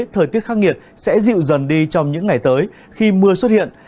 thời tiết khắc nghiệt sẽ dịu dần đi trong những ngày tới khi mưa xuất hiện